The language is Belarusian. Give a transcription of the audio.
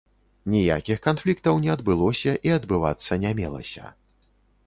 Ніякіх канфліктаў не адбылося і адбывацца не мелася.